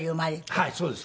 はいそうです。